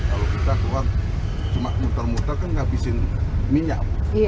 kalau kita keluar cuma muter muter kan ngabisin minyak